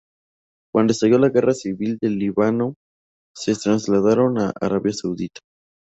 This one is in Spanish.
Cuando estalló la guerra civil del Líbano se trasladaron a Arabia Saudí.